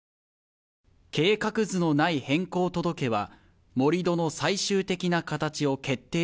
計画図のない変更届は盛り土の最終的な形を決定